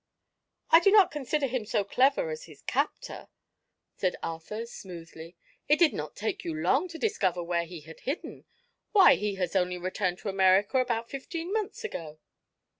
"I do not consider him so clever as his captor," said Arthur smoothly. "It did not take you long to discover where he had hidden. Why, he has only returned to America about fifteen months ago."